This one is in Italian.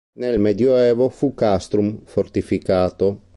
Nel Medioevo fu "castrum" fortificato.